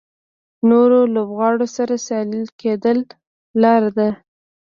نورو لوبغاړو سره سیال کېدو لاره ده.